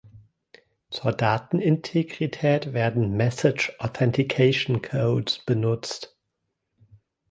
Zur Datenintegrität werden Message Authentication Codes benutzt.